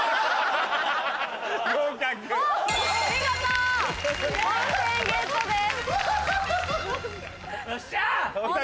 見事温泉ゲットです。